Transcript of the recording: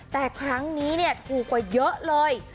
แต่ครั้งนี้ถูกกว่าเยอะเลย